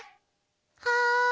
はい。